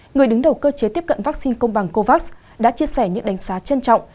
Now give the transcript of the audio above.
người đứng đầu cơ chế tiếp cận vaccine công bằng covax đã chia sẻ những đánh giá trân trọng